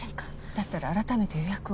だったら改めて予約を。